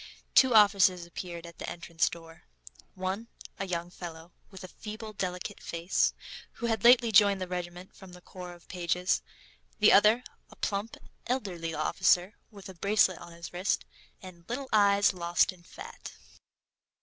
Two officers appeared at the entrance door: one, a young fellow, with a feeble, delicate face, who had lately joined the regiment from the Corps of Pages; the other, a plump, elderly officer, with a bracelet on his wrist, and little eyes, lost in fat.